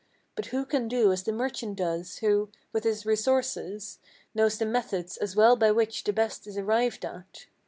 But who can do as the merchant does, who, with his resources, Knows the methods as well by which the best is arrived at?